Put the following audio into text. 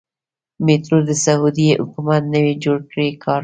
میټرو د سعودي حکومت نوی جوړ کړی کار و.